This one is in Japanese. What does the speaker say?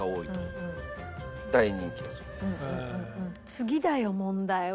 次だよ問題は。